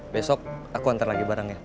besok aku antar lagi barangnya